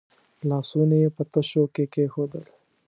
لاسونه یې په تشو کې کېښودل.